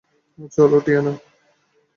চলো, টিয়ানা।